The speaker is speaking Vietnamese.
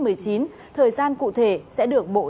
thời gian cụ thể sẽ được bộ giáo dục đào tạo công bố sau